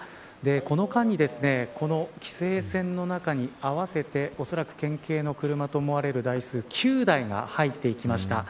この間にこの規制線の中に合わせておそらく県警の車と思われる台数９台が入っていきました。